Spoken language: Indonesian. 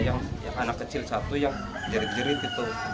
yang anak kecil satu yang jerit jerit gitu